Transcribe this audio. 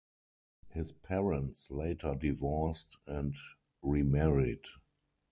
His parents later divorced and remarried.